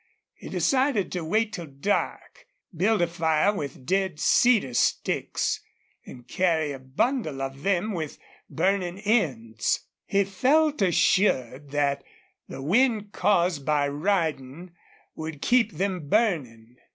He decided to wait till dark, build a fire with dead cedar sticks, and carry a bundle of them with burning ends. He felt assured that the wind caused by riding would keep them burning.